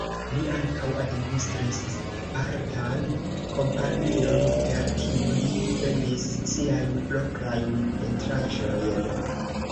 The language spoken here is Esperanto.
Li ankaŭ administris artan kompanion, per kiu li vendis siajn proprajn pentraĵojn.